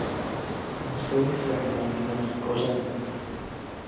Musel jsem najít nový kořen.